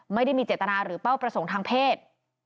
ไม่ได้มีเจตนาหรือเป้าประสงค์ทางเพศ